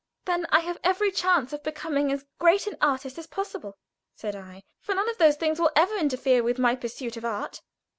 "Then I have every chance of becoming as great an artist as possible," said I; "for none of those things will ever interfere with my pursuit of art."